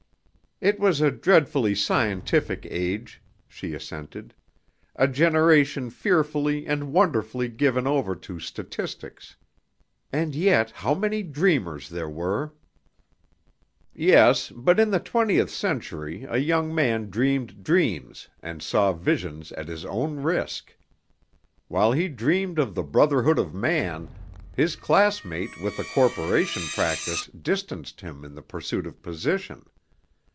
"It was a dreadfully scientific age," she assented, "a generation fearfully and wonderfully given over to statistics; and yet how many dreamers there were!" "Yes, but in the twentieth century a young man dreamed dreams and saw visions at his own risk. While he dreamed of the brotherhood of man, his classmate with the corporation practice distanced him in the pursuit of position.